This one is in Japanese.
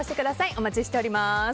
お待ちしております。